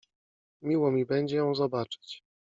Miło mi będzie ją zobaczyć.